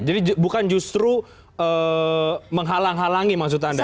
jadi bukan justru menghalang halangi maksud anda